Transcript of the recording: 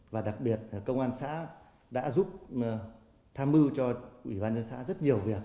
và đặc biệt công an xã đã giúp tham mưu cho ủy ban nhân xã rất nhiều việc